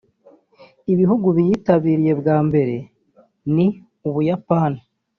Ibihugu biyitabiriye bwa mbere ni u Buyapani